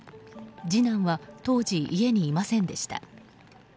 次男は当時、家にいませんでした。